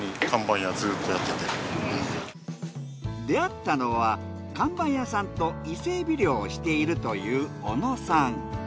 出会ったのは看板屋さんと伊勢海老漁をしているという小野さん。